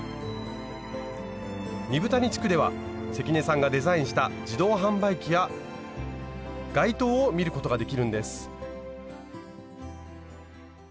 二風谷地区では関根さんがデザインした自動販売機や街灯を見ることができるんです。